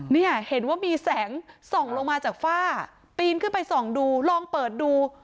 เนี่ยเห็นว่ามีแสงส่องลงมาจากฝ้าปีนขึ้นไปส่องดูลองเปิดดู